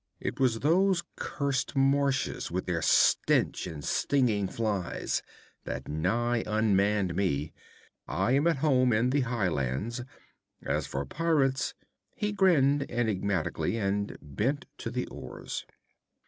It was those cursed marshes, with their stench and stinging flies, that nigh unmanned me. I am at home in the high lands. As for pirates ' He grinned enigmatically, and bent to the oars.